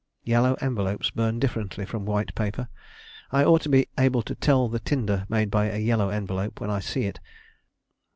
"Yellow envelopes burn differently from white paper. I ought to be able to tell the tinder made by a yellow envelope when I see it.